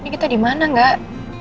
ini kita dimana nggak